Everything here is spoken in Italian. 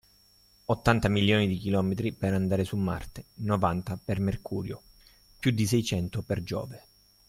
ottanta milioni di chilometri per andare su Marte, novanta per Mercurio: più di seicento per Giove… .